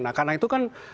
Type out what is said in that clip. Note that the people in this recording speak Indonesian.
nah karena itu kan